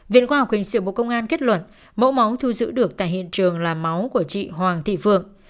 viện khoa học hình sự bộ công an kết luận mẫu máu thu giữ được tại hiện trường là máu của chị hoàng thị phượng